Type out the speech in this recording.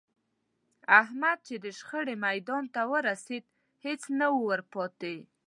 احمد چې د شخړې میدان ته ورسېد، هېڅ نه و پاتې